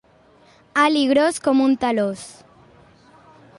Alt i gros com un talòs.